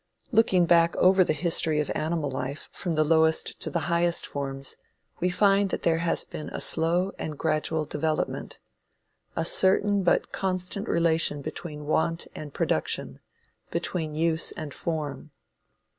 Looking back over the history of animal life from the lowest to the highest forms, we find that there has been a slow and gradual development; a certain but constant relation between want and production; between use and form.